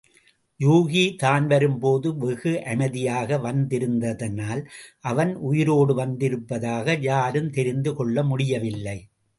யூகி தான்வரும் போது வெகு அமைதியாக வந்திருந்ததனால் அவன் உயிரோடு வந்து இருப்பதாக யாரும் தெரிந்து கொள்ள முடியவில்லை.